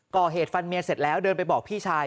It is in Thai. ก่อเหตุฟันเมียเสร็จแล้วเดินไปบอกพี่ชาย